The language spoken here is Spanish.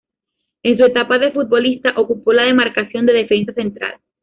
En su etapa de futbolista, ocupó la demarcación de defensa central.